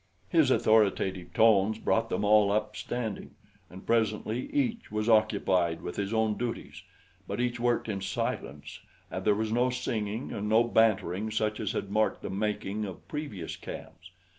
His authoritative tones brought them all up standing, and presently each was occupied with his own duties; but each worked in silence and there was no singing and no bantering such as had marked the making of previous camps.